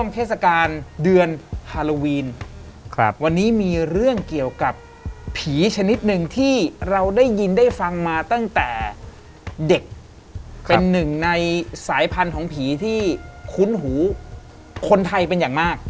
เป็นหนึ่งในสายพันธุ์ของผีที่คุ้นหูคนไทยเป็นอย่างมาก